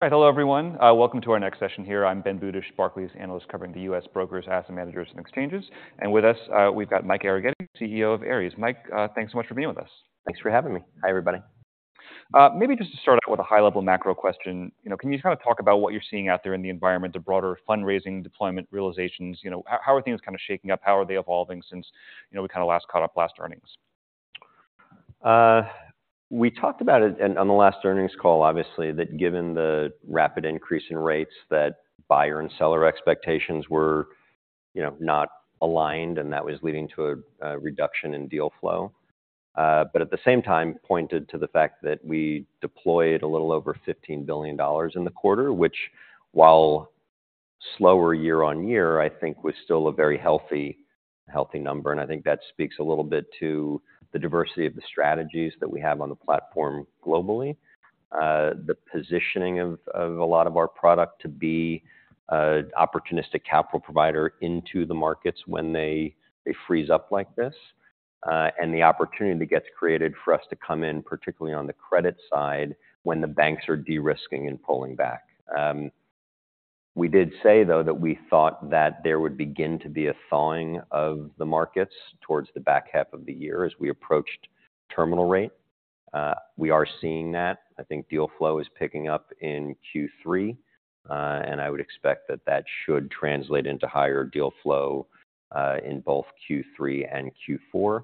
Hi, hello everyone. Welcome to our next session here. I'm Ben Budish, Barclays analyst, covering the U.S. brokers, asset managers, and exchanges. And with us, we've got Mike Arougheti, CEO of Ares. Mike, thanks so much for being with us. Thanks for having me. Hi, everybody. Maybe just to start out with a high-level macro question, you know, can you kind of talk about what you're seeing out there in the environment, the broader fundraising, deployment, realizations? You know, how, how are things kind of shaking up? How are they evolving since, you know, we kind of last caught up last earnings? We talked about it on the last earnings call, obviously, that given the rapid increase in rates, that buyer and seller expectations were, you know, not aligned, and that was leading to a reduction in deal flow. But at the same time, pointed to the fact that we deployed a little over $15 billion in the quarter, which, while slower year-on-year, I think was still a very healthy number. And I think that speaks a little bit to the diversity of the strategies that we have on the platform globally. The positioning of a lot of our product to be an opportunistic capital provider into the markets when they freeze up like this, and the opportunity that gets created for us to come in, particularly on the credit side, when the banks are de-risking and pulling back. We did say, though, that we thought that there would begin to be a thawing of the markets towards the back half of the year as we approached terminal rate. We are seeing that. I think deal flow is picking up in Q3, and I would expect that that should translate into higher deal flow in both Q3 and Q4.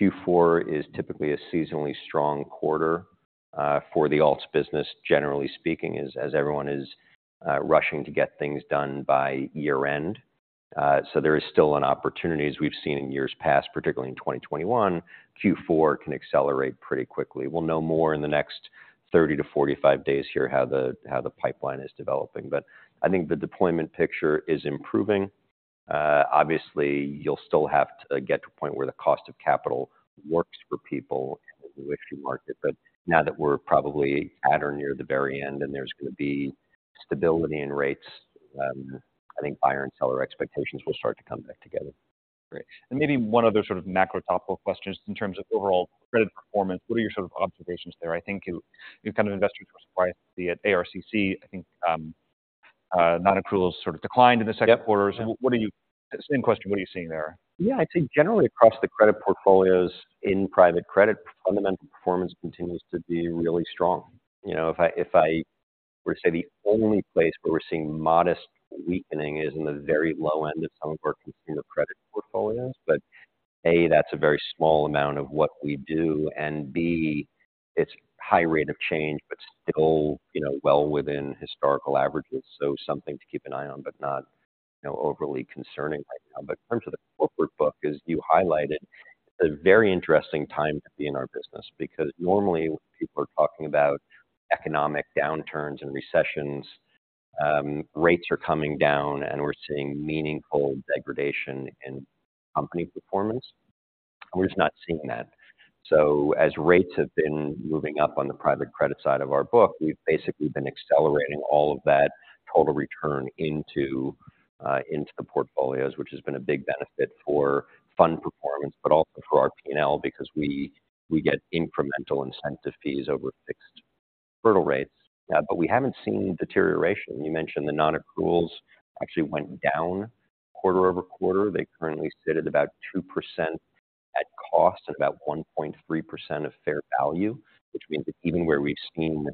Q4 is typically a seasonally strong quarter for the alts business, generally speaking, as everyone is rushing to get things done by year-end. So there is still an opportunity, as we've seen in years past, particularly in 2021, Q4 can accelerate pretty quickly. We'll know more in the next 30-45 days here, how the pipeline is developing. But I think the deployment picture is improving. Obviously, you'll still have to get to a point where the cost of capital works for people in the equity market. But now that we're probably at or near the very end, and there's going to be stability in rates, I think buyer and seller expectations will start to come back together. Great. And maybe one other sort of macro topical question is, in terms of overall credit performance, what are your sort of observations there? I think you, you've kind of invested towards at ARCC. I think, non-accruals sort of declined in the second quarter. Yep. What are you? Same question, what are you seeing there? Yeah, I'd say generally across the credit portfolios in private credit, fundamental performance continues to be really strong. You know, if I were to say, the only place where we're seeing modest weakening is in the very low end of some of our consumer credit portfolios. But A, that's a very small amount of what we do, and B, it's high rate of change, but still, you know, well within historical averages. So something to keep an eye on, but not, you know, overly concerning right now. But in terms of the corporate book, as you highlighted, it's a very interesting time to be in our business, because normally when people are talking about economic downturns and recessions, rates are coming down, and we're seeing meaningful degradation in company performance. We're just not seeing that. So as rates have been moving up on the private credit side of our book, we've basically been accelerating all of that total return into the portfolios, which has been a big benefit for fund performance, but also for our P&L, because we get incremental incentive fees over fixed hurdle rates. But we haven't seen deterioration. You mentioned the non-accruals actually went down quarter-over-quarter. They currently sit at about 2% at cost and about 1.3% of fair value, which means that even where we've seen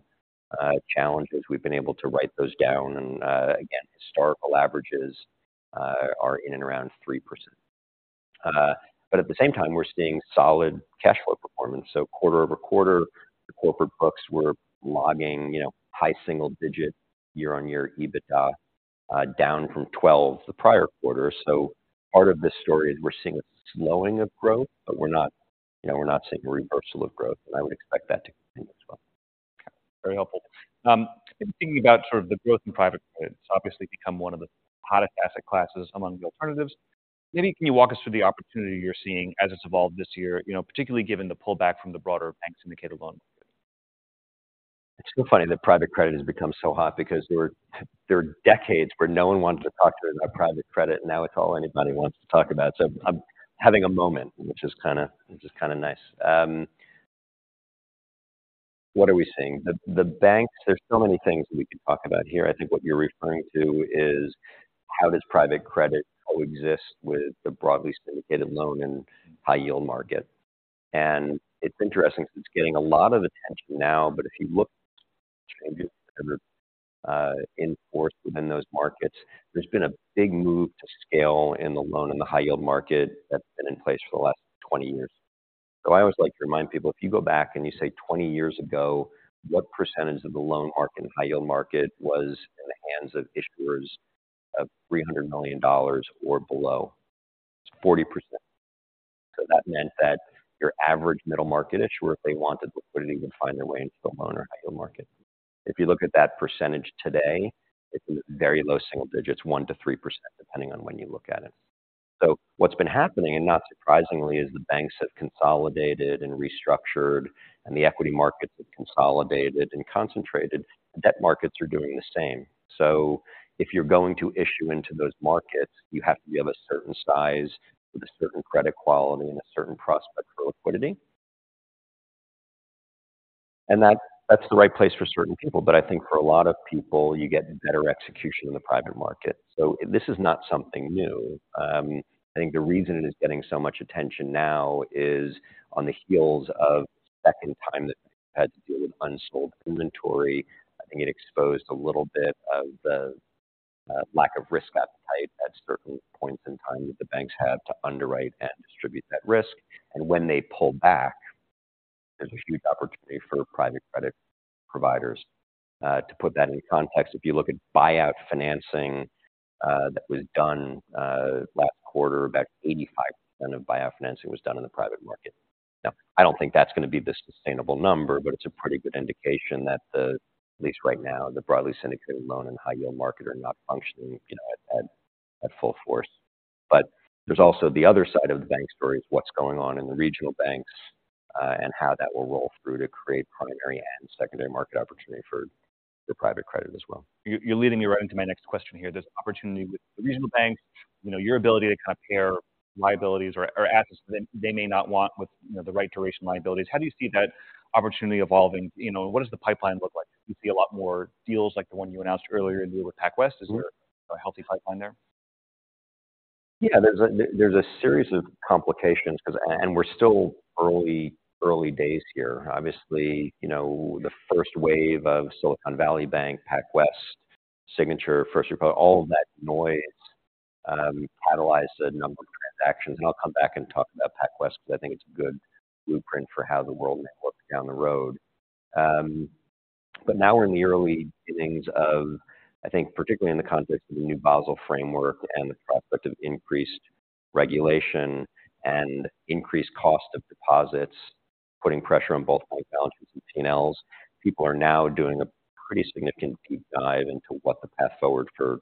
challenges, we've been able to write those down. And again, historical averages are in and around 3%. But at the same time, we're seeing solid cash flow performance. Quarter-over-quarter, the corporate books were logging, you know, high single digit year-on-year EBITDA down from 12 the prior quarter. Part of this story is we're seeing a slowing of growth, but we're not, you know, we're not seeing a reversal of growth, and I would expect that to continue as well. Okay, very helpful. Thinking about sort of the growth in private credit, it's obviously become one of the hottest asset classes among the alternatives. Maybe can you walk us through the opportunity you're seeing as it's evolved this year? You know, particularly given the pullback from the broader bank syndicated loan. It's so funny that private credit has become so hot because there were, there were decades where no one wanted to talk to us about private credit, and now it's all anybody wants to talk about. So I'm having a moment, which is kinda, which is kinda nice. What are we seeing? The banks, there's so many things we could talk about here. I think what you're referring to is, how does private credit coexist with the broadly syndicated loan and high-yield market? And it's interesting because it's getting a lot of attention now, but if you look at changes of course within those markets, there's been a big move to scale in the loan and the high-yield market that's been in place for the last 20 years. So I always like to remind people, if you go back and you say 20 years ago, what percentage of the loan market and high-yield market was in the hands of issuers of $300 million or below? It's 40%. So that meant that your average middle-market issuer, if they wanted liquidity, would find their way into the loan or high-yield market. If you look at that percentage today, it's in very low single digits, 1%-3%, depending on when you look at it. So what's been happening, and not surprisingly, is the banks have consolidated and restructured, and the equity markets have consolidated and concentrated. Debt markets are doing the same. So if you're going to issue into those markets, you have to be of a certain size with a certain credit quality and a certain prospect for liquidity.... That, that's the right place for certain people. But I think for a lot of people, you get better execution in the private market. So this is not something new. I think the reason it is getting so much attention now is on the heels of the second time that the banks had to deal with unsold inventory. I think it exposed a little bit of the lack of risk appetite at certain points in time that the banks had to underwrite and distribute that risk. And when they pull back, there's a huge opportunity for private credit providers. To put that into context, if you look at buyout financing that was done last quarter, about 85% of buyout financing was done in the private market. Now, I don't think that's gonna be the sustainable number, but it's a pretty good indication that, at least right now, the broadly syndicated loan and high-yield market are not functioning, you know, at full force. But there's also the other side of the bank story, is what's going on in the regional banks, and how that will roll through to create primary and secondary market opportunity for the private credit as well. You, you're leading me right into my next question here. There's opportunity with the regional banks, you know, your ability to kind of pair liabilities or, or assets that they may not want with, you know, the right duration liabilities. How do you see that opportunity evolving? You know, what does the pipeline look like? Do you see a lot more deals like the one you announced earlier in the year with PacWest? Is there a healthy pipeline there? Yeah, there's a series of complications 'cause... And we're still early, early days here. Obviously, you know, the first wave of Silicon Valley Bank, PacWest, Signature, First Republic, all of that noise catalyzed a number of transactions. And I'll come back and talk about PacWest, because I think it's a good blueprint for how the world may look down the road. But now we're in the early innings of, I think, particularly in the context of the new Basel Framework and the prospect of increased regulation and increased cost of deposits, putting pressure on both bank balances and P&Ls. People are now doing a pretty significant deep dive into what the path forward for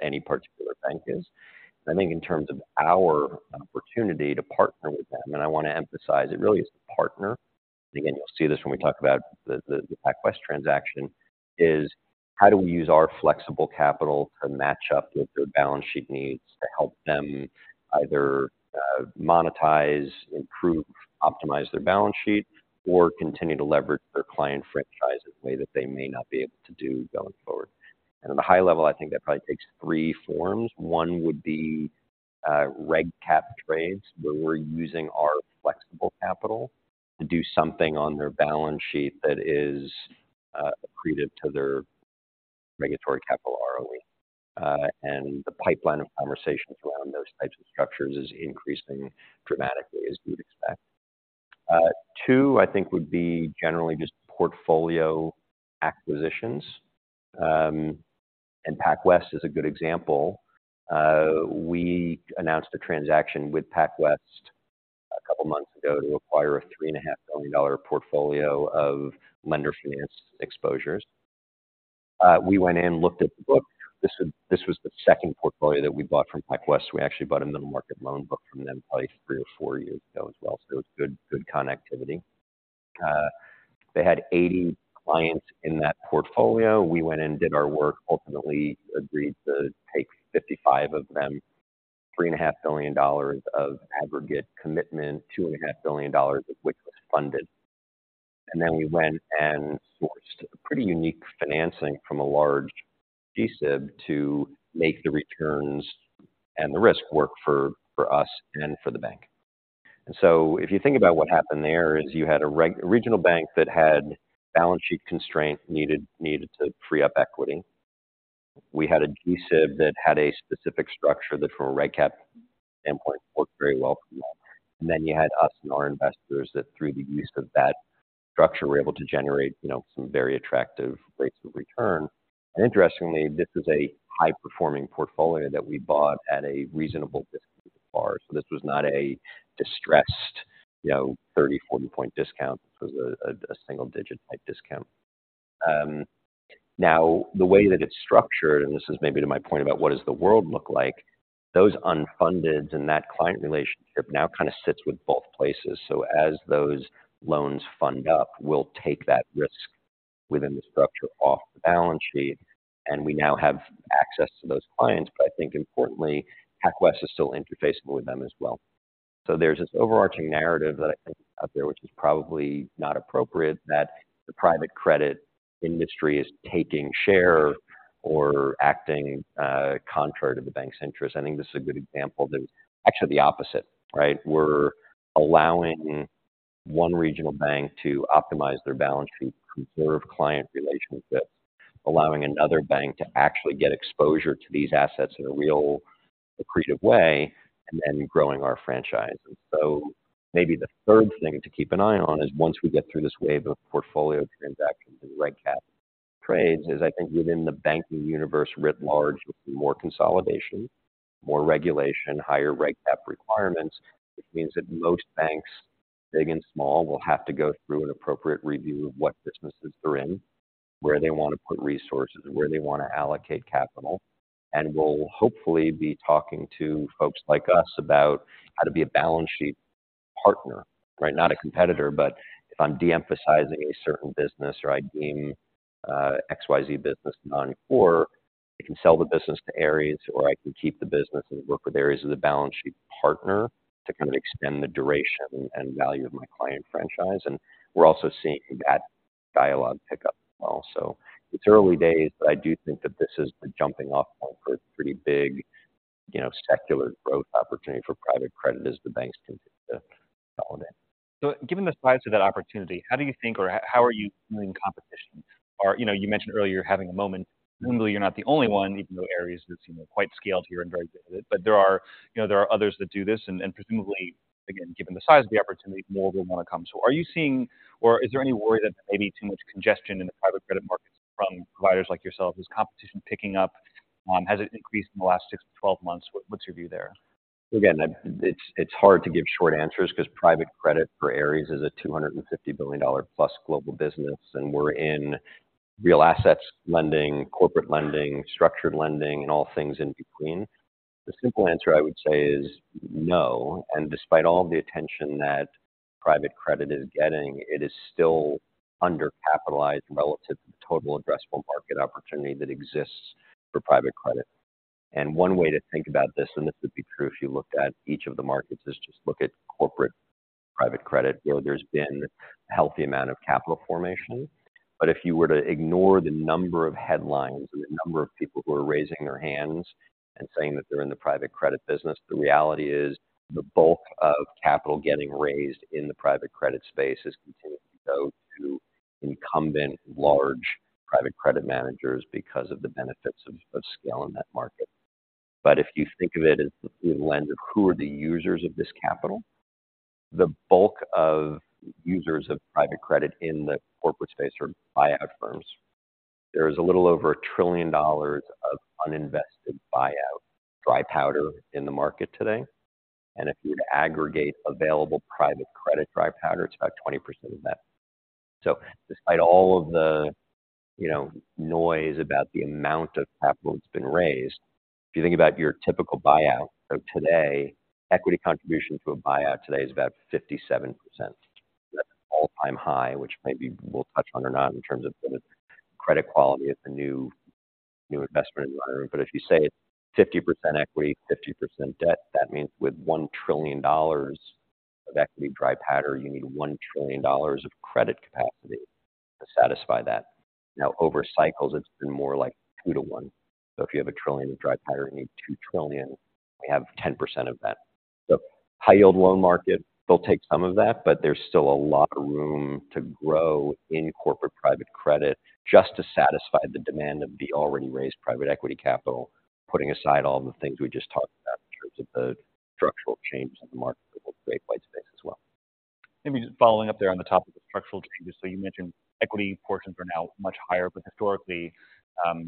any particular bank is. I think in terms of our opportunity to partner with them, and I wanna emphasize it really is to partner, again, you'll see this when we talk about the PacWest transaction, is how do we use our flexible capital to match up with their balance sheet needs to help them either, monetize, improve, optimize their balance sheet, or continue to leverage their client franchise in a way that they may not be able to do going forward? At a high level, I think that probably takes three forms. One would be reg cap trades, where we're using our flexible capital to do something on their balance sheet that is accretive to their regulatory capital ROE. The pipeline of conversations around those types of structures is increasing dramatically, as you'd expect. 2, I think, would be generally just portfolio acquisitions, and PacWest is a good example. We announced a transaction with PacWest a couple of months ago to acquire a $3.5 billion portfolio of lender finance exposures. We went in and looked at the book. This was the second portfolio that we bought from PacWest. We actually bought a middle-market loan book from them, probably 3 or 4 years ago as well, so it was good connectivity. They had 80 clients in that portfolio. We went in and did our work, ultimately agreed to take 55 of them, $3.5 billion of aggregate commitment, $2.5 billion of which was funded. And then we went and sourced a pretty unique financing from a large GSIB to make the returns and the risk work for us and for the bank. And so if you think about what happened there, is you had a regional bank that had balance sheet constraint, needed, needed to free up equity. We had a GSIB that had a specific structure that, from a Reg Cap standpoint, worked very well for them. And then you had us and our investors that, through the use of that structure, were able to generate, you know, some very attractive rates of return. And interestingly, this is a high-performing portfolio that we bought at a reasonable discount so far. So this was not a distressed, you know, 30, 40-point discount. This was a single-digit type discount. Now, the way that it's structured, and this is maybe to my point about what does the world look like, those unfundeds and that client relationship now kind of sits with both places. So as those loans fund up, we'll take that risk within the structure off the balance sheet, and we now have access to those clients. But I think importantly, PacWest is still interfaceable with them as well. So there's this overarching narrative that I think is out there, which is probably not appropriate, that the private credit industry is taking share or acting contrary to the bank's interest. I think this is a good example that it's actually the opposite, right? We're allowing one regional bank to optimize their balance sheet, preserve client relationships, allowing another bank to actually get exposure to these assets in a real accretive way, and then growing our franchise. And so maybe the third thing to keep an eye on is, once we get through this wave of portfolio transactions and reg cap trades, is I think within the banking universe writ large, there'll be more consolidation, more regulation, higher reg cap requirements, which means that most banks, big and small, will have to go through an appropriate review of what businesses they're in, where they want to put resources, and where they want to allocate capital. And will hopefully be talking to folks like us about how to be a balance sheet partner, right? Not a competitor, but if I'm de-emphasizing a certain business or I deem XYZ business non-core, I can sell the business to Ares, or I can keep the business and work with Ares as a balance sheet partner to kind of extend the duration and value of my client franchise. We're also seeing that dialogue pick up well. It's early days, but I do think that this is the jumping off point for a pretty big, you know, secular growth opportunity for private credit as the banks continue to dial it in. So given the size of that opportunity, how do you think or how are you doing competition? Or, you know, you mentioned earlier having a moment. Presumably, you're not the only one, even though Ares is, you know, quite scaled here and very good at it. But there are, you know, there are others that do this, and, and presumably, again, given the size of the opportunity, more will want to come. So are you seeing or is there any worry that there may be too much congestion in the private credit markets from providers like yourself? Is competition picking up? Has it increased in the last six to twelve months? What's your view there? Again, it's hard to give short answers 'cause private credit for Ares is a $250 billion-plus global business, and we're in real assets lending, corporate lending, structured lending, and all things in between. The simple answer, I would say, is no. And despite all of the attention that private credit is getting, it is still undercapitalized relative to the total addressable market opportunity that exists for private credit. And one way to think about this, and this would be true if you looked at each of the markets, is just look at corporate private credit, where there's been a healthy amount of capital formation. But if you were to ignore the number of headlines and the number of people who are raising their hands and saying that they're in the private credit business, the reality is the bulk of capital getting raised in the private credit space is continuing to go to incumbent large private credit managers because of the benefits of scale in that market. If you think of it as through the lens of who are the users of this capital, the bulk of users of private credit in the corporate space are buyout firms. There is a little over $1 trillion of uninvested buyout dry powder in the market today, and if you were to aggregate available private credit dry powder, it's about 20% of that. So despite all of the, you know, noise about the amount of capital that's been raised, if you think about your typical buyout of today, equity contribution to a buyout today is about 57%. That's an all-time high, which maybe we'll touch on or not in terms of the credit quality of the new, new investment environment. But if you say it's 50% equity, 50% debt, that means with $1 trillion of equity dry powder, you need $1 trillion of credit capacity to satisfy that. Now, over cycles, it's been more like 2-to-1. So if you have a trillion of dry powder, you need $2 trillion. We have 10% of that. The high-yield loan market will take some of that, but there's still a lot of room to grow in corporate private credit just to satisfy the demand of the already raised private equity capital, putting aside all the things we just talked about in terms of the structural changes in the market, which will create white space as well. Maybe just following up there on the topic of structural changes. So you mentioned equity portions are now much higher, but historically, you know, it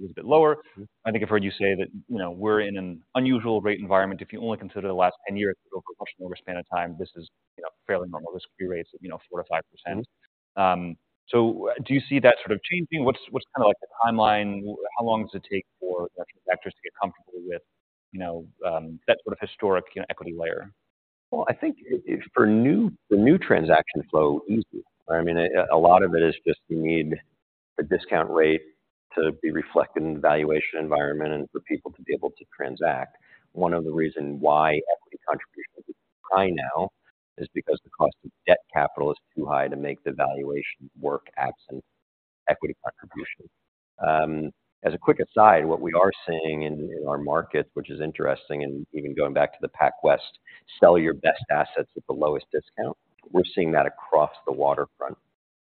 was a bit lower. Mm-hmm. I think I've heard you say that, you know, we're in an unusual rate environment. If you only consider the last 10 years over a longer span of time, this is, you know, fairly normal. This could be rates of, you know, 4%-5%. Mm-hmm. So do you see that sort of changing? What's kind of like the timeline? How long does it take for the actors to get comfortable with, you know, that sort of historic, you know, equity layer? Well, I think for the new transaction flow, easy. I mean, a lot of it is just you need a discount rate to be reflected in the valuation environment and for people to be able to transact. One of the reason why equity contribution is high now is because the cost of debt capital is too high to make the valuation work absent equity contribution. As a quick aside, what we are seeing in our markets, which is interesting, and even going back to the PacWest, sell your best assets at the lowest discount. We're seeing that across the waterfront.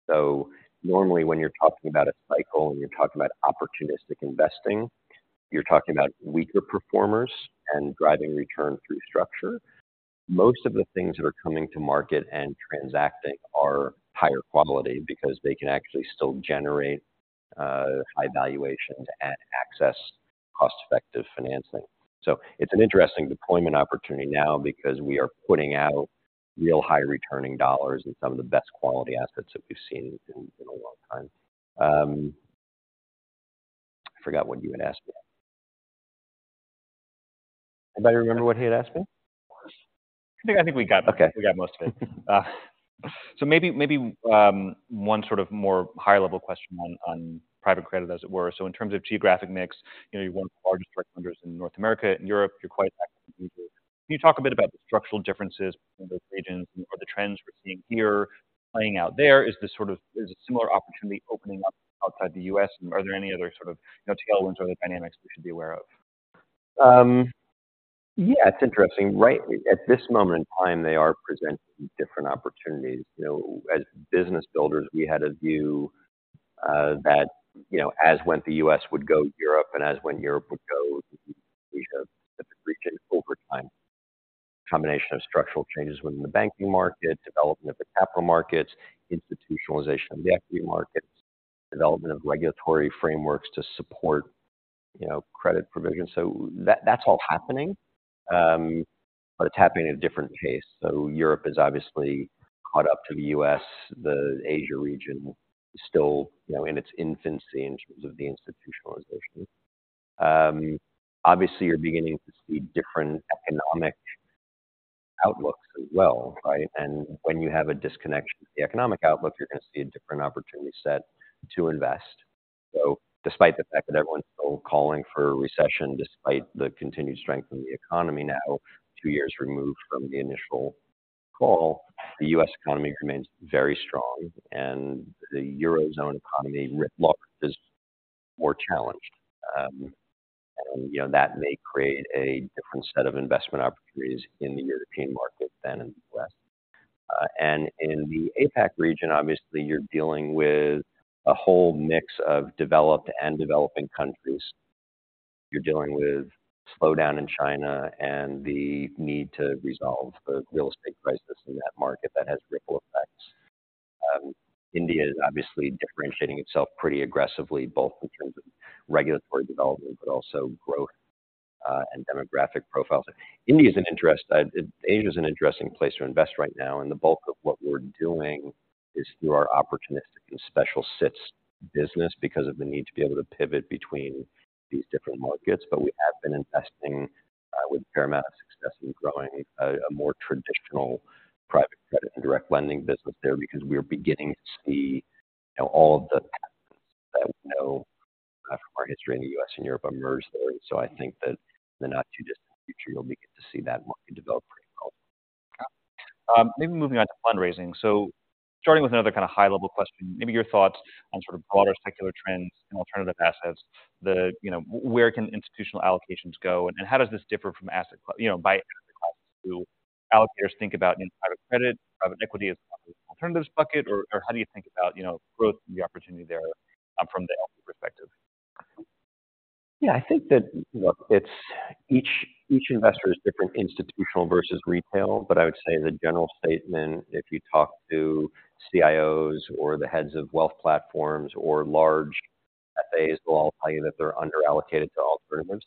So normally, when you're talking about a cycle and you're talking about opportunistic investing, you're talking about weaker performers and driving return through structure. Most of the things that are coming to market and transacting are higher quality because they can actually still generate high valuations and access cost-effective financing. So it's an interesting deployment opportunity now because we are putting out real high-returning dollars in some of the best quality assets that we've seen in a long time. I forgot what you had asked me. Anybody remember what he had asked me? I think, I think we got most of it. Okay. So maybe one sort of more high-level question on private credit, as it were. So in terms of geographic mix, you know, you're one of the largest direct lenders in North America and Europe. You're quite active in Asia. Can you talk a bit about the structural differences between those regions and are the trends we're seeing here playing out there? Is this sort of a similar opportunity opening up outside the U.S., and are there any other sort of, you know, tailwinds or other dynamics we should be aware of? Yeah, it's interesting. Rightly, at this moment in time, they are presenting different opportunities. You know, as business builders, we had a view that, you know, as went the U.S. would go Europe, and as when Europe would go, Asia region. Over time, combination of structural changes within the banking market, development of the capital markets, institutionalization of the equity markets, development of regulatory frameworks to support, you know, credit provision. So that's all happening, but it's happening at a different pace. So Europe is obviously caught up to the U.S. The Asia region is still, you know, in its infancy in terms of the institutionalization. Obviously, you're beginning to see different economic outlook as well, right? And when you have a disconnection with the economic outlook, you're gonna see a different opportunity set to invest. So despite the fact that everyone's still calling for a recession, despite the continued strength in the economy now, two years removed from the initial call, the U.S. economy remains very strong, and the Eurozone economy is more challenged. And, you know, that may create a different set of investment opportunities in the European market than in the U.S. And in the APAC region, obviously, you're dealing with a whole mix of developed and developing countries. You're dealing with slowdown in China, and the need to resolve the real estate crisis in that market that has ripple effects. India is obviously differentiating itself pretty aggressively, both in terms of regulatory development, but also growth, and demographic profiles. India is an interest, Asia is an interesting place to invest right now, and the bulk of what we're doing is through our opportunistic and special situations business because of the need to be able to pivot between these different markets. But we have been investing, with a fair amount of success in growing a, a more traditional private credit and direct lending business there, because we are beginning to see, you know, all of the patterns that we know, from our history in the U.S. and Europe emerge there. So I think that in the not-too-distant future, you'll begin to see that market develop pretty well. Maybe moving on to fundraising. So starting with another kind of high-level question, maybe your thoughts on sort of broader secular trends in alternative assets. You know, where can institutional allocations go, and how does this differ by asset class? You know, how do allocators think about private credit, private equity as alternatives bucket, or, or how do you think about, you know, growth and the opportunity there, from the allocator's perspective? Yeah, I think that, look, it's each investor is different, institutional versus retail. But I would say as a general statement, if you talk to CIOs or the heads of wealth platforms or large FAs, they'll all tell you that they're underallocated to alternatives.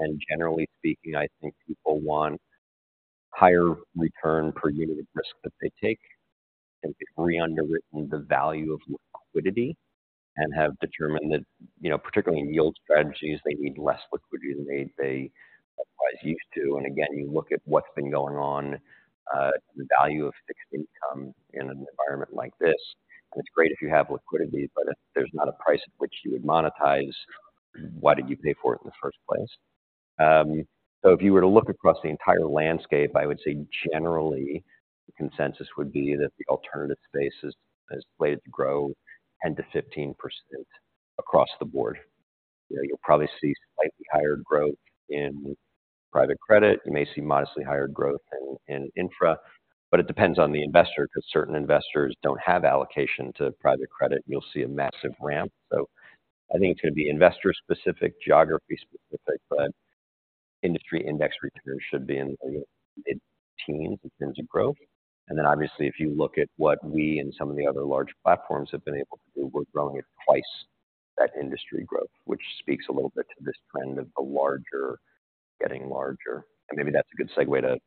And generally speaking, I think people want higher return per unit of risk that they take. I think they've re-underwritten the value of liquidity and have determined that, you know, particularly in yield strategies, they need less liquidity than they otherwise used to. And again, you look at what's been going on, the value of fixed income in an environment like this, and it's great if you have liquidity, but if there's not a price at which you would monetize, why did you pay for it in the first place? So if you were to look across the entire landscape, I would say generally, the consensus would be that the alternative space is slated to grow 10%-15% across the board. You'll probably see slightly higher growth in private credit. You may see modestly higher growth in infra, but it depends on the investor, because certain investors don't have allocation to private credit, and you'll see a massive ramp. So I think it's gonna be investor specific, geography specific, but industry index returns should be in the mid-teens in terms of growth. And then obviously, if you look at what we and some of the other large platforms have been able to do, we're growing at twice that industry growth, which speaks a little bit to this trend of the larger getting larger. And maybe that's a good segue to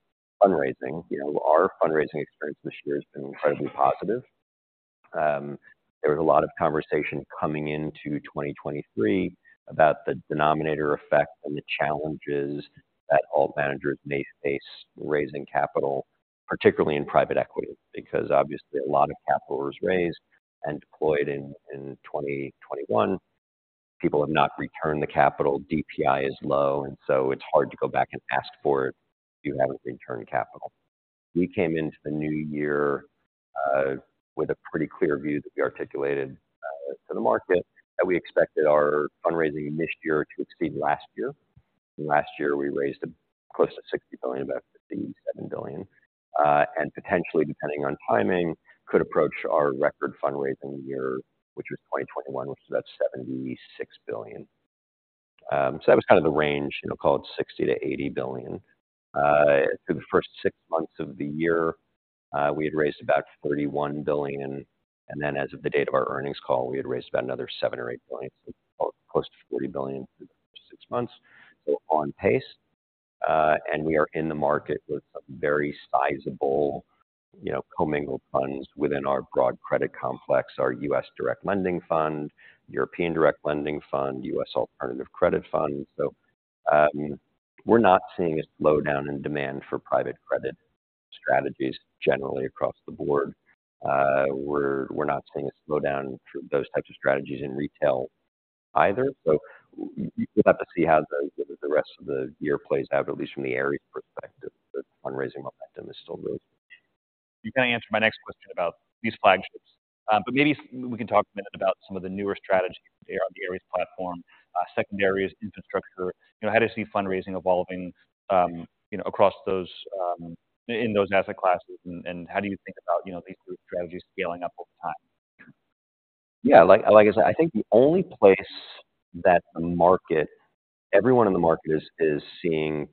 fundraising. You know, our fundraising experience this year has been incredibly positive. There was a lot of conversation coming into 2023 about the denominator effect and the challenges that alt managers may face raising capital, particularly in private equity, because obviously a lot of capital was raised and deployed in 2021. People have not returned the capital. DPI is low, and so it's hard to go back and ask for it if you haven't returned capital. We came into the new year with a pretty clear view that we articulated to the market, that we expected our fundraising this year to exceed last year. Last year, we raised close to $60 billion, about $57 billion, and potentially, depending on timing, could approach our record fundraising year, which was 2021, which was about $76 billion. So that was kind of the range, you know, call it $60 billion-$80 billion. Through the first six months of the year, we had raised about $31 billion, and then as of the date of our earnings call, we had raised about another $7 billion or $8 billion, so close to $40 billion through the first six months. So on pace, and we are in the market with some very sizable, you know, commingled funds within our broad credit complex, our U.S. Direct Lending Fund, European Direct Lending Fund, U.S. Alternative Credit Fund. So, we're not seeing a slowdown in demand for private credit strategies generally across the board. We're not seeing a slowdown for those types of strategies in retail either. So we'll have to see how the rest of the year plays out, at least from the Ares perspective, the fundraising momentum is still good. You kinda answered my next question about these flagships, but maybe we can talk a minute about some of the newer strategies on the Ares platform, secondaries, infrastructure. You know, how do you see fundraising evolving, you know, across those, in those asset classes, and, and how do you think about, you know, these new strategies scaling up over time? Yeah, like I said, I think the only place that the market everyone in the market is seeing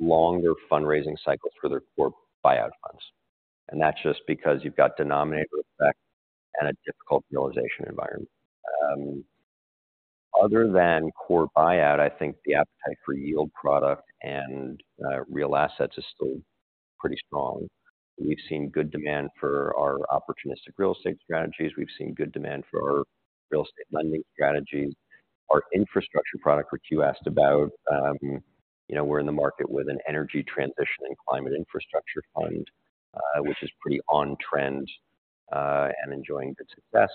longer fundraising cycles for their core buyout funds. And that's just because you've got denominator effect and a difficult realization environment. Other than core buyout, I think the appetite for yield product and real assets is still pretty strong. We've seen good demand for our opportunistic real estate strategies. We've seen good demand for our real estate lending strategies. Our infrastructure product, which you asked about, you know, we're in the market with an energy transition and climate infrastructure fund, which is pretty on trend, and enjoying good success.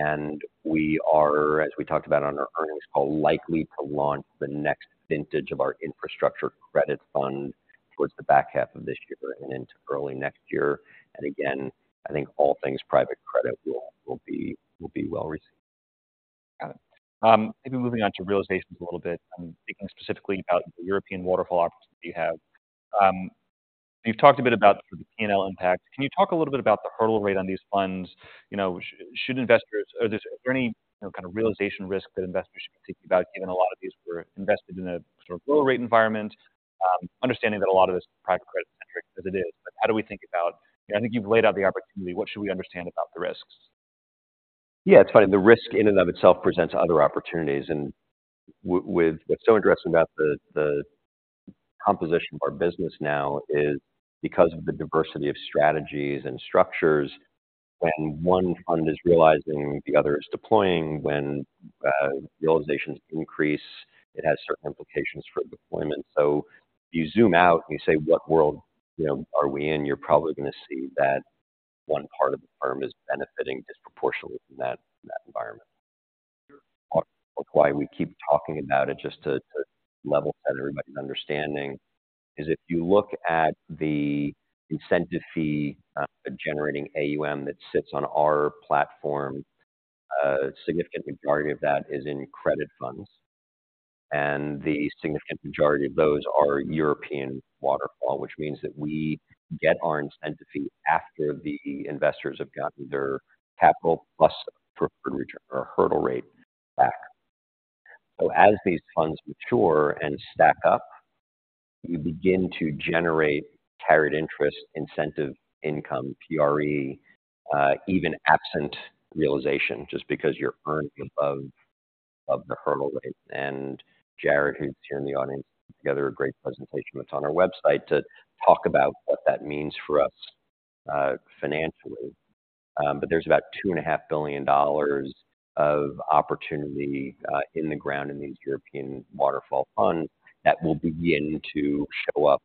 And we are, as we talked about on our earnings call, likely to launch the next vintage of our infrastructure credit fund towards the back half of this year and into early next year. Again, I think all things private credit will be well received. Got it. Maybe moving on to realizations a little bit, thinking specifically about the European waterfall opportunity you have. You've talked a bit about the P&L impact. Can you talk a little bit about the hurdle rate on these funds? You know, should investors-- Are there, are there any, you know, kind of realization risk that investors should be thinking about, given a lot of these were invested in a sort of low rate environment? Understanding that a lot of this is private credit-centric as it is, but how do we think about... I think you've laid out the opportunity. What should we understand about the risks? Yeah, it's funny, the risk in and of itself presents other opportunities, and with what's so interesting about the composition of our business now is because of the diversity of strategies and structures, when one fund is realizing, the other is deploying. When realizations increase, it has certain implications for deployment. So you zoom out and you say, "What world, you know, are we in?" You're probably gonna see that one part of the firm is benefiting disproportionately from that, that environment. Why we keep talking about it, just to level set everybody's understanding, is if you look at the incentive fee generating AUM that sits on our platform, a significant majority of that is in credit funds, and the significant majority of those are European waterfall. Which means that we get our incentive fee after the investors have gotten their capital plus preferred return or hurdle rate back. So as these funds mature and stack up, you begin to generate carried interest, incentive income, PRE, even absent realization, just because you're earning above, above the hurdle rate. And Jared, who's here in the audience, put together a great presentation that's on our website to talk about what that means for us, financially. But there's about $2.5 billion of opportunity in the ground in these European waterfall funds that will begin to show up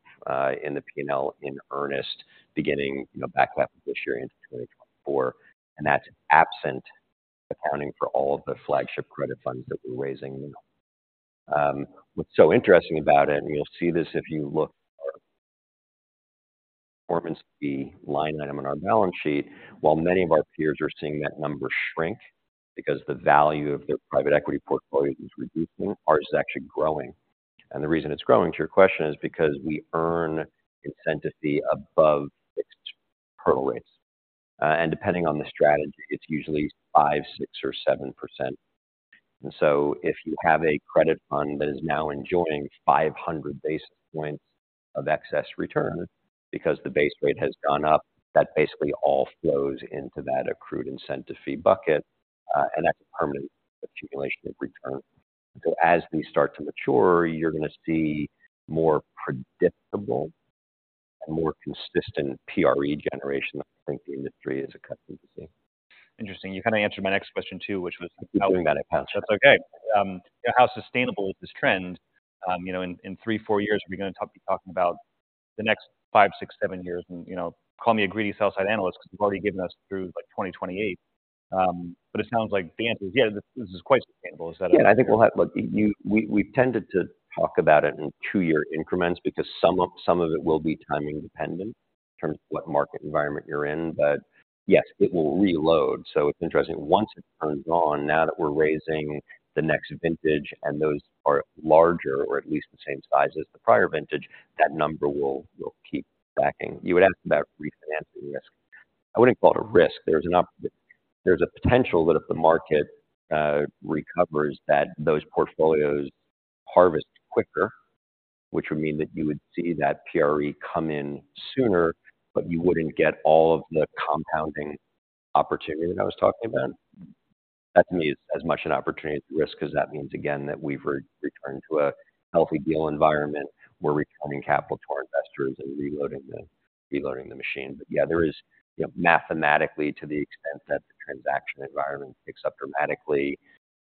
in the P&L in earnest, beginning, you know, back half of this year into 2024, and that's absent accounting for all of the flagship credit funds that we're raising now. What's so interesting about it, and you'll see this if you look at our performance fee line item on our balance sheet, while many of our peers are seeing that number shrink because the value of their private equity portfolio is reducing, ours is actually growing. And the reason it's growing, to your question, is because we earn incentive fee above fixed hurdle rates. And depending on the strategy, it's usually 5, 6, or 7%. And so if you have a credit fund that is now enjoying 500 basis points of excess return because the base rate has gone up, that basically all flows into that accrued incentive fee bucket, and that's a permanent accumulation of return. So as these start to mature, you're gonna see more predictable and more consistent PRE generation than I think the industry is accustomed to seeing. Interesting. You kind of answered my next question, too, which was- Keep doing that, I promise. That's okay. How sustainable is this trend? You know, in three, four years, are we gonna talk, be talking about the next five, six, seven years? And, you know, call me a greedy sell-side analyst, because you've already given us through, like, 2028. But it sounds like the answer is yeah, this is quite sustainable. Is that- Yeah, I think we'll have... Look, you've tended to talk about it in two-year increments because some of, some of it will be timing dependent in terms of what market environment you're in, but yes, it will reload. So it's interesting. Once it turns on, now that we're raising the next vintage and those are larger or at least the same size as the prior vintage, that number will, will keep stacking. You would ask about refinancing risk. I wouldn't call it a risk. There's a potential that if the market recovers, that those portfolios harvest quicker, which would mean that you would see that PRE come in sooner, but you wouldn't get all of the compounding opportunity that I was talking about. That, to me, is as much an opportunity as a risk, because that means, again, that we've re-returned to a healthy deal environment. We're returning capital to our investors and reloading the, reloading the machine. But yeah, there is, you know, mathematically to the extent that the transaction environment picks up dramatically,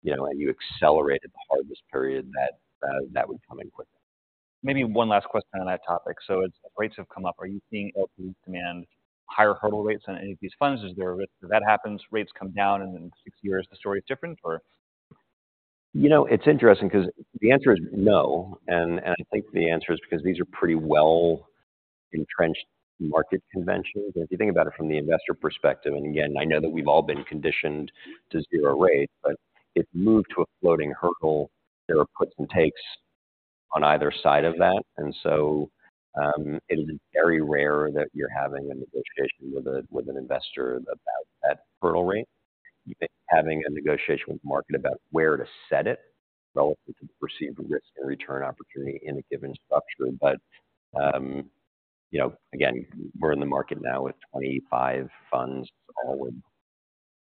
you know, and you accelerated the harvest period, that, that would come in quicker. Maybe one last question on that topic. So as rates have come up, are you seeing LPs demand higher hurdle rates on any of these funds? Is there a risk that happens, rates come down, and then in six years, the story is different, or? You know, it's interesting because the answer is no, and I think the answer is because these are pretty well-entrenched market conventions. If you think about it from the investor perspective, and again, I know that we've all been conditioned to zero rates, but if moved to a floating hurdle, there are puts and takes on either side of that. And so, it is very rare that you're having a negotiation with an investor about that hurdle rate. You may be having a negotiation with the market about where to set it, relative to the perceived risk and return opportunity in a given structure. But, you know, again, we're in the market now with 25 funds, all with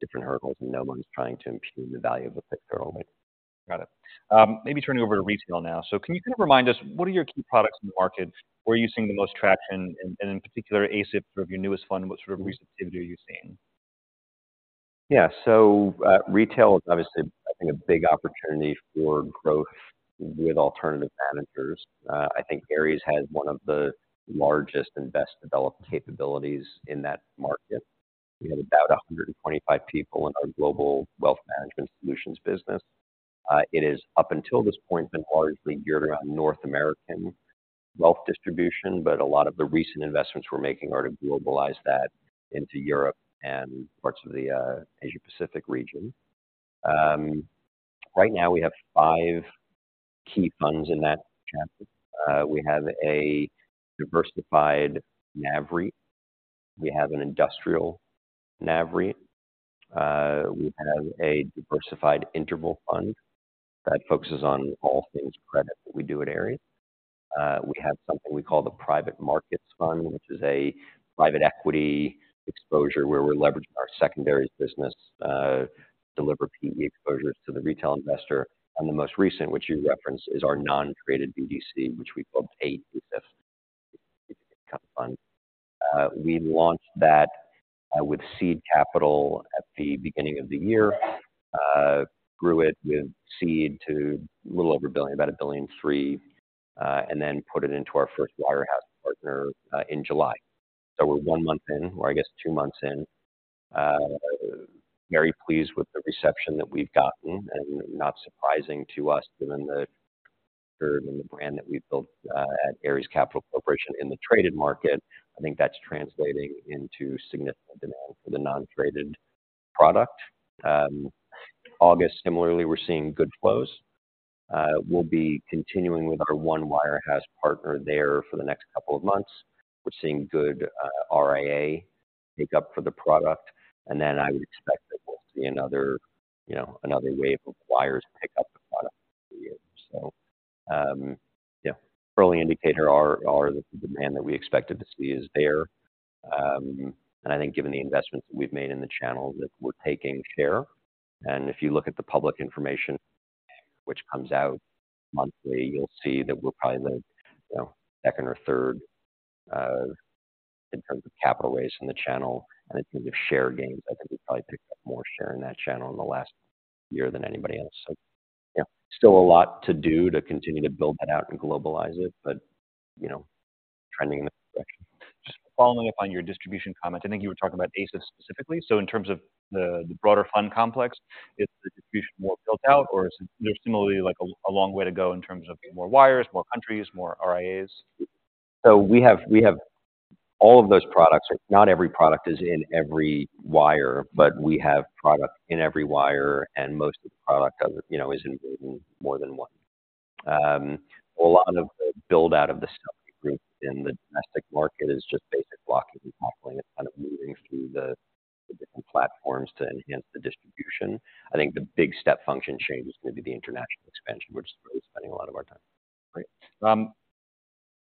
different hurdles, and no one's trying to improve the value of the fixed hurdle rate. ... Got it. Maybe turning over to retail now. So can you kind of remind us, what are your key products in the market? Where are you seeing the most traction, and in particular, ASIF, sort of your newest fund, what sort of receptivity are you seeing? Yeah. So, retail is obviously, I think, a big opportunity for growth with alternative managers. I think Ares has one of the largest and best-developed capabilities in that market. We have about 125 people in our global wealth management solutions business. It is, up until this point, been largely Europe, North American wealth distribution, but a lot of the recent investments we're making are to globalize that into Europe and parts of the Asia Pacific region. Right now we have five key funds in that chapter. We have a diversified NAV REIT, we have an industrial NAV REIT, we have a diversified interval fund that focuses on all things credit that we do at Ares. We have something we call the Private Markets Fund, which is a private equity exposure where we're leveraging our secondaries business to deliver PE exposures to the retail investor. And the most recent, which you referenced, is our non-traded BDC, which we call ADCF fund. We launched that with seed capital at the beginning of the year, grew it with seed to a little over $1 billion, about $1.3 billion, and then put it into our first wirehouse partner in July. So we're one month in, or I guess two months in. Very pleased with the reception that we've gotten, and not surprising to us, given the and the brand that we've built at Ares Capital Corporation in the traded market. I think that's translating into significant demand for the non-traded product. August, similarly, we're seeing good flows. We'll be continuing with our one wirehouse partner there for the next couple of months. We're seeing good RIA make up for the product, and then I would expect that we'll see another, you know, another wave of wires pick up the product here. So, yeah, early indicator are the demand that we expected to see is there. And I think given the investments that we've made in the channel, that we're taking share, and if you look at the public information which comes out monthly, you'll see that we're probably the, you know, second or third in terms of capital raise in the channel. And in terms of share gains, I think we probably picked up more share in that channel in the last year than anybody else. So yeah, still a lot to do to continue to build that out and globalize it, but, you know, trending in the right direction. Just following up on your distribution comment, I think you were talking about ASIF specifically. So in terms of the broader fund complex, is the distribution more built out, or is there similarly like a long way to go in terms of more wires, more countries, more RIAs? So we have, we have all of those products. Not every product is in every wire, but we have product in every wire, and most of the product, you know, is in, in more than one. A lot of the build-out of the stuff we group in the domestic market is just basic blocking and tackling. It's kind of moving through the, the different platforms to enhance the distribution. I think the big step function change is gonna be the international expansion, which is where we're spending a lot of our time. Great.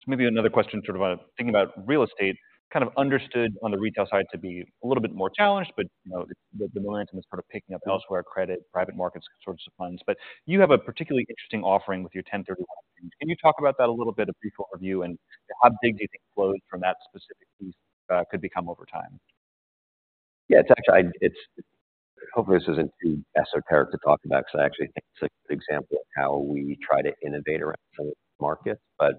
Maybe another question, sort of, thinking about real estate, kind of understood on the retail side to be a little bit more challenged, but, you know, the momentum is sort of picking up elsewhere, credit, private markets, sorts of funds. But you have a particularly interesting offering with your 1031. Can you talk about that a little bit, a brief overview, and how big do you think flows from that specific piece could become over time? Yeah, it's actually hopefully this isn't too esoteric to talk about, because I actually think it's a good example of how we try to innovate around some markets. But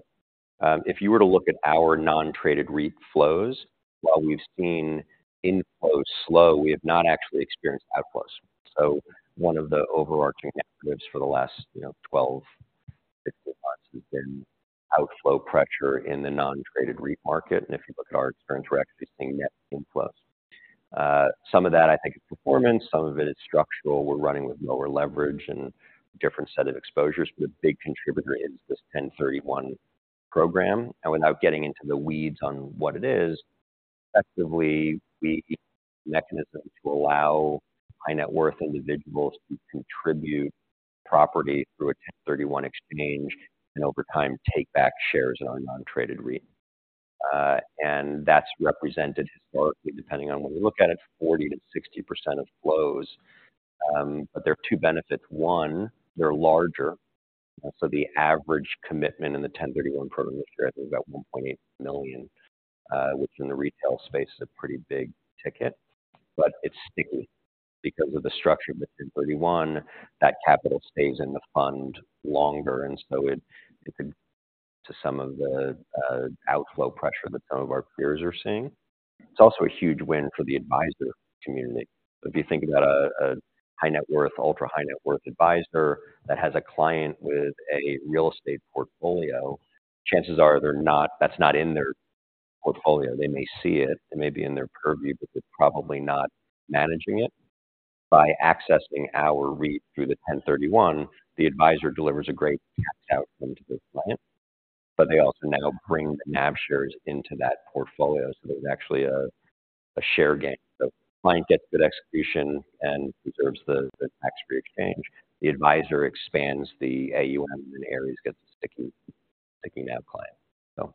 if you were to look at our non-traded REIT flows, while we've seen inflows slow, we have not actually experienced outflows. So one of the overarching narratives for the last, you know, 12, 16 months has been outflow pressure in the non-traded REIT market, and if you look at our experience, we're actually seeing net inflows. Some of that I think is performance, some of it is structural. We're running with lower leverage and different set of exposures, but the big contributor is this 1031 program. And without getting into the weeds on what it is, effectively, we... mechanism to allow high net worth individuals to contribute property through a 1031 exchange, and over time, take back shares in our non-traded REIT. And that's represented historically, depending on when we look at it, 40%-60% of flows. But there are two benefits: One, they're larger. So the average commitment in the 10-31 program this year, I think, is about $1.8 million, which in the retail space is a pretty big ticket, but it's sticky. Because of the structure of the 1031, that capital stays in the fund longer, and so it could to some of the outflow pressure that some of our peers are seeing. It's also a huge win for the advisor community. If you think about a high net worth, ultra high net worth advisor that has a client with a real estate portfolio, chances are they're not-- that's not in their portfolio. They may see it, it may be in their purview, but they're probably not managing it. By accessing our REIT through the Ten thirty-one, the advisor delivers a great tax outcome to the client, but they also now bring the NAV shares into that portfolio, so there's actually a share gain. So the client gets good execution and preserves the tax-free exchange. The advisor expands the AUM, and Ares gets sticky, taking that client. So,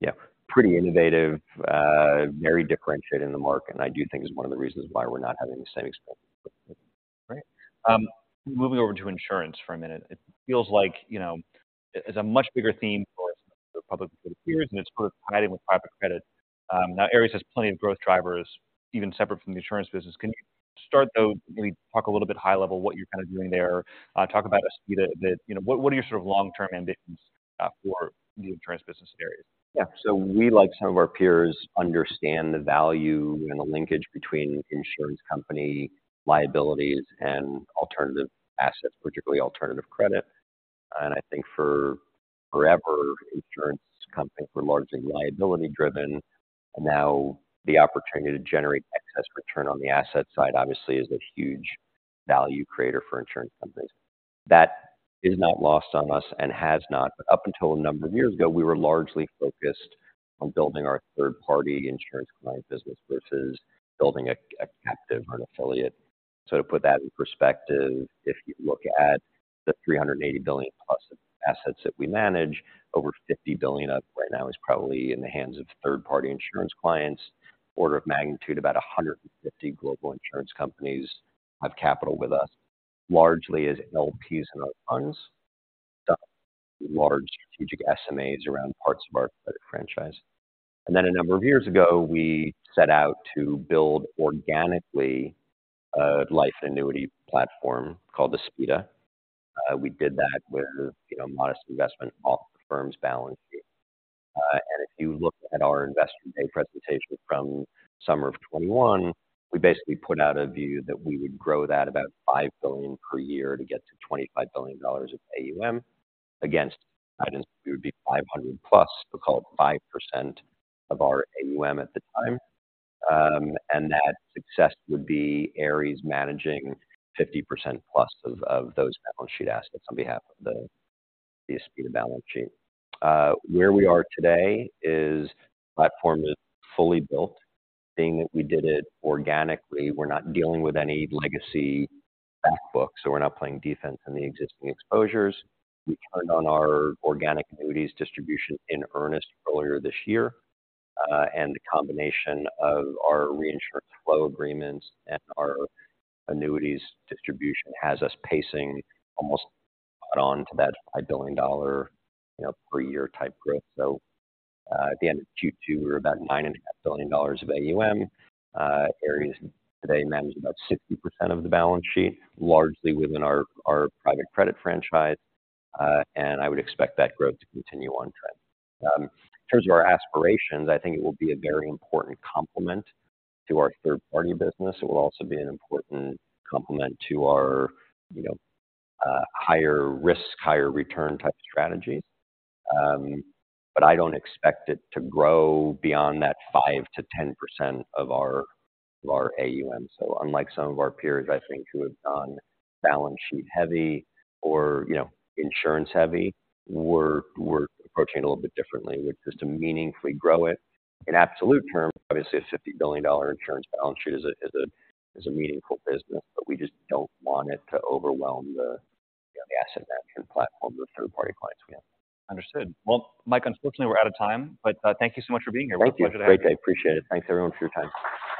yeah, pretty innovative, very differentiated in the market, and I do think it's one of the reasons why we're not having the same exposure. Great. Moving over to insurance for a minute. It feels like, you know, it's a much bigger theme for the public peers, and it's sort of tied in with private credit. Now Ares has plenty of growth drivers, even separate from the insurance business. Can you start, though, maybe talk a little bit high level, what you're kind of doing there? Talk about Aspida, that-- You know, what, what are your sort of long-term ambitions, for the insurance business areas? Yeah. So we, like some of our peers, understand the value and the linkage between insurance company liabilities and alternative assets, particularly alternative credit. And I think for forever, insurance companies were largely liability driven. Now, the opportunity to generate excess return on the asset side obviously is a huge value creator for insurance companies. That is not lost on us and has not. But up until a number of years ago, we were largely focused on building our third-party insurance client business versus building a, a captive or an affiliate. So to put that in perspective, if you look at the $380 billion plus assets that we manage, over $50 billion of it right now is probably in the hands of third-party insurance clients. Order of magnitude, about 150 global insurance companies have capital with us, largely as LPs in our funds, large strategic SMAs around parts of our credit franchise. Then a number of years ago, we set out to build organically, a life annuity platform called Aspida. We did that with, you know, modest investment off the firm's balance sheet. And if you look at our Investor Day presentation from summer of 2021, we basically put out a view that we would grow that about $5 billion per year to get to $25 billion of AUM, against guidance, we would be 500+, but call it 5% of our AUM at the time. And that success would be Ares managing 50%+ of those balance sheet assets on behalf of the Aspida balance sheet. Where we are today is the platform is fully built. Being that we did it organically, we're not dealing with any legacy back books, so we're not playing defense in the existing exposures. We turned on our organic annuities distribution in earnest earlier this year, and the combination of our reinsurance flow agreements and our annuities distribution has us pacing almost spot on to that $5 billion, you know, per year type growth. So, at the end of Q2, we were about $9.5 billion of AUM. Ares today manage about 60% of the balance sheet, largely within our private credit franchise, and I would expect that growth to continue on trend. In terms of our aspirations, I think it will be a very important complement to our third-party business. It will also be an important complement to our, you know, higher risk, higher return type strategies. But I don't expect it to grow beyond that 5%-10% of our AUM. So unlike some of our peers, I think, who have gone balance sheet heavy or, you know, insurance heavy, we're approaching it a little bit differently. We're just to meaningfully grow it. In absolute terms, obviously, a $50 billion insurance balance sheet is a meaningful business, but we just don't want it to overwhelm the asset management platform, the third-party clients we have. Understood. Well, Mike, unfortunately, we're out of time, but, thank you so much for being here. Thank you. Great. I appreciate it. Thanks, everyone, for your time.